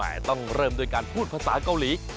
เอาล่ะเดินทางมาถึงในช่วงไฮไลท์ของตลอดกินในวันนี้แล้วนะครับ